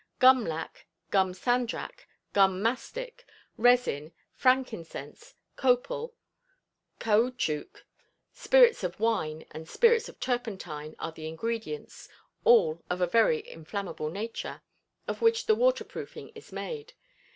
Gum lac, gum sandrach, gum mastic, resin, frankincense, copal, caoutchouc, spirits of wine and spirits of turpentine, are the ingredients (all of a very inflammable nature) of which the water proofing is made.